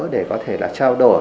để có thể là trao đổi